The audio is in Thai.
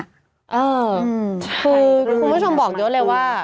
เออคือคุณผู้ชมบอกเยอะเลยว่า